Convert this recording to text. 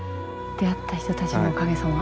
出会った人たちのおかげさま。